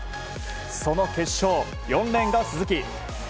その決勝、４レーンが鈴木。